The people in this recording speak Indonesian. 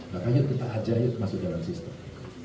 makanya kita ajarin masuk dalam sistem